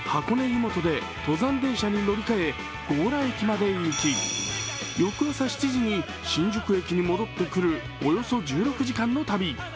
湯本で登山電車に乗り換え強羅駅まで行き、翌朝７時に新宿駅に戻ってくるおよそ１６時間の旅。